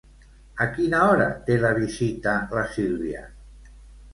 A quina hora té la visita la Sílvia?